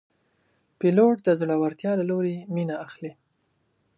پیلوټ د زړورتیا له لورې مینه اخلي.